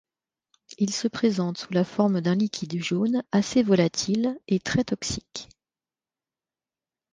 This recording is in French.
Il se présente sous la forme d'un liquide jaune assez volatil et très toxique.